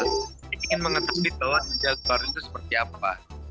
saya ingin mengetahui bahwa dunia sejarah itu seperti apa